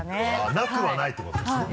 なくはないってことですね？